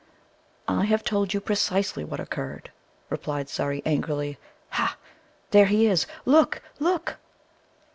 "I have told you precisely what occurred," replied Surrey angrily. "Ha! there he is look! look!"